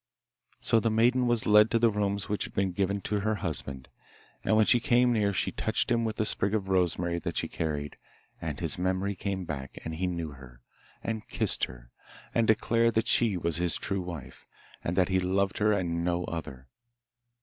So the maiden was led to the rooms which had been given to her husband. And when she came near she touched him with the sprig of rosemary that she carried; and his memory came back, and he knew her, and kissed her, and declared that she was his true wife, and that he loved her and no other.